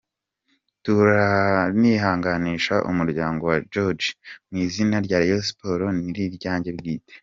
turanihanganisha umuryango wa George mu izina rya Rayon Sport ni ryanjye bwite,.